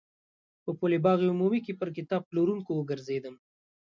په پل باغ عمومي کې پر کتاب پلورونکو وګرځېدم.